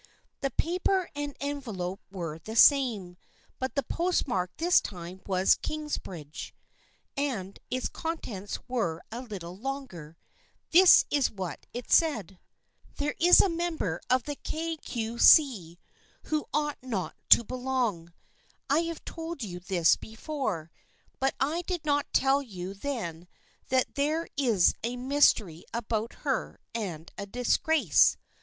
The paper and envel ope were the same, but the postmark this time was Kingsbridge, and its contents were a little longer. This is what it said :" There is a member of the Kay Cue See who ought not to belong. I have told you this before, but I did not tell you then that there is a mystery about her and a disgrace.